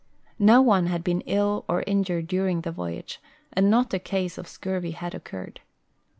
No one had been ill or injured during the voyage and not a case of scurvy had occurred.